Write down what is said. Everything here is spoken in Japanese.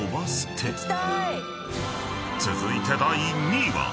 ［続いて第２位は］